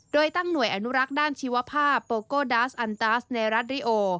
โดยตั้งหน่วยอนุรักษ์ด้านชีวภาพโปโกดาสอันตัสในรัฐริโอ